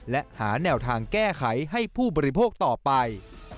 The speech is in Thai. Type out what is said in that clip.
และหาแนวทางแก้ไขให้ผู้บริโภคต่อไป